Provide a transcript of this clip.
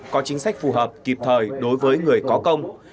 có chính sách phù hợp kịp thời đối với người có công